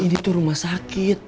ini tuh rumah sakit